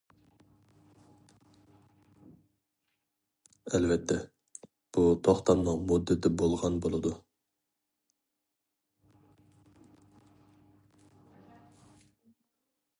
ئەلۋەتتە بۇ توختامنىڭ مۇددىتى بولغان بولىدۇ.